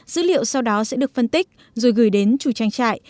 dữ liệu sau đó sẽ được phân tích rồi gửi đến chủ trang trại